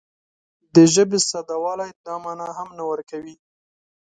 د ژبې ساده والی دا مانا هم نه ورکوي